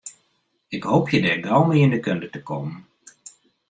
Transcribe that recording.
Ik hoopje dêr gau mei yn de kunde te kommen.